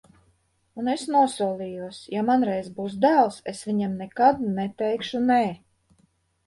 Un es nosolījos: ja man reiz būs dēls, es viņam nekad neteikšu nē.